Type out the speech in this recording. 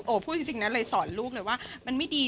พูดจริงนะเลยสอนลูกเลยว่ามันไม่ดี